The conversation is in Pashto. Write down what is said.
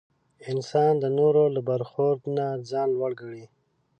انسان د نورو له برخورد نه ځان لوړ کړي.